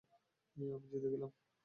আমি জিতে গেলাম!